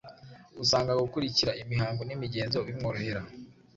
Usanga gukurikira imihango n’imigenzo bimworohera.